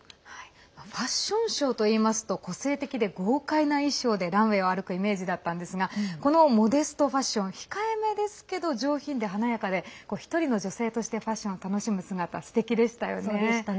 ファッションショーといいますと個性的で豪快な衣装でランウェーを歩くイメージだったんですがこのモデストファッション控えめですけど上品で華やかで、１人の女性としてファッションを楽しむ姿すてきでしたよね。